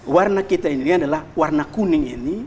warna kita ini adalah warna kuning ini